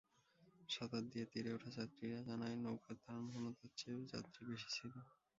সাঁতার দিয়ে তীরে ওঠা যাত্রীরা জানায়, নৌকার ধারণ ক্ষমতার চেয়ে যাত্রী বেশি ছিল।